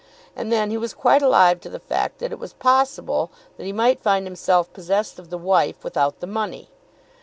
And then he was quite alive to the fact that it was possible that he might find himself possessed of the wife without the money.